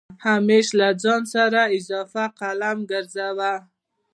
همېش له ځان سره اضافه قلم ګرځوه